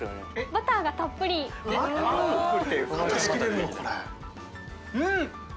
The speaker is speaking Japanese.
バターがたっぷりうん！